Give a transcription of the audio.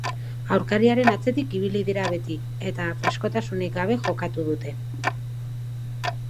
Aurkariaren atzetik ibili dira beti, eta freskotasunik gabe jokatu dute.